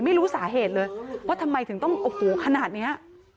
ไม่รู้สาเหตุเลยว่าทำไมถึงต้องโอ้โหขนาดนี้